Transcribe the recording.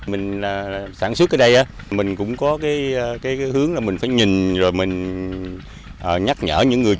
mình sản xuất ở đây mình cũng có cái hướng là mình phải nhìn rồi mình nhắc nhở những người